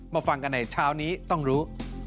ฟังกันในเช้านี้ต้องรู้